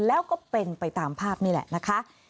แล้วก็เป็นไปตามภาพนี่แหละนะคะ